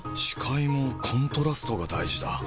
視界もコントラストが大事だ。